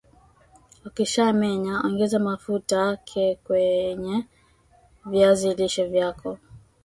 ukisha menye ongeza mafuta ke]wenye viazi lishe vyako